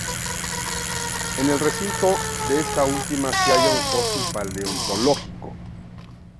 En el recinto de esta última se halla un fósil paleontológico.